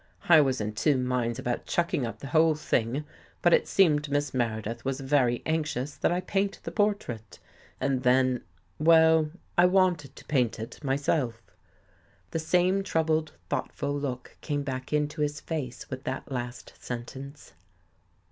I was in two minds about chucking up the whole thing, but it seemed Miss Meredith was very anxious that I paint the portrait. And then — well, I wanted to paint it myself." The same troubled, thoughtful look came back into his face with that last sentence.